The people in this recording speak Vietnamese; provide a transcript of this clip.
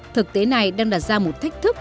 thực tế này đang đặt ra một thách thức